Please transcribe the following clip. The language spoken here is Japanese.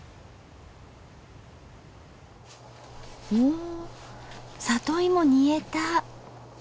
お里芋煮えた。